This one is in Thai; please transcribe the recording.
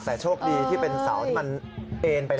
แต่โชคดีที่เป็นเสาที่มันเอ็นไป